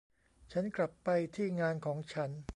ฉันกลับไปที่งานของฉัน